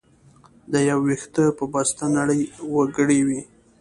د يو وېښته په بسته نړۍ وکړى وى.